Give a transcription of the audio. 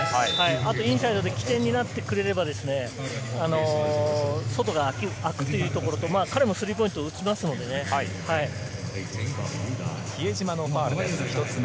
インサイドで起点になってくれれば、外があくというところと、彼もスリーポイントを比江島のファウルです、１つ目。